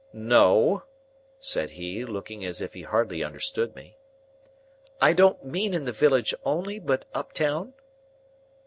"No," said he, looking as if he hardly understood me. "I don't mean in the village only, but up town?"